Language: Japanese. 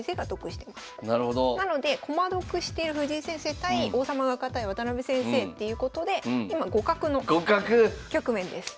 なので駒得してる藤井先生対王様が堅い渡辺先生っていうことで今互角の局面です。